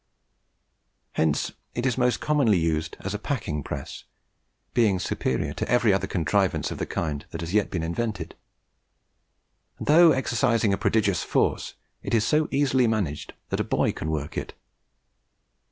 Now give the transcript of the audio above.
Hence it is most commonly used as a packing press, being superior to every other contrivance of the kind that has yet been invented; and though exercising a prodigious force, it is so easily managed that a boy can work it.